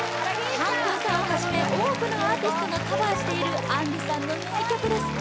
ＨＡＮ−ＫＵＮさんはじめ多くのアーティストがカバーしている杏里さんの名曲です